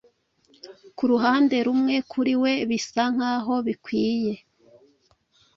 Ku ruhande rumwe kuri we bisa nkaho bikwiye